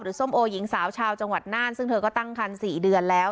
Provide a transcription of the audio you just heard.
ส้มโอหญิงสาวชาวจังหวัดน่านซึ่งเธอก็ตั้งคัน๔เดือนแล้ว